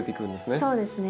そうですね。